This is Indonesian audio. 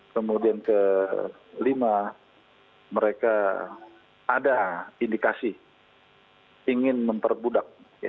kemudian kelima mereka ada indikasi ingin memperbudak